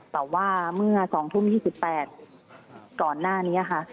แต่ว่าเมื่อ๒ทุ่ม๒๘ก่อนหน้านี้ค่ะ